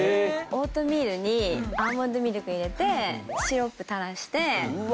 オートミールにアーモンドミルク入れてシロップ垂らして卵溶かしてそれを入れて。